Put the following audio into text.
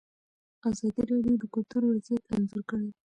ازادي راډیو د کلتور وضعیت انځور کړی.